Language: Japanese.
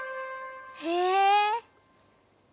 へえ。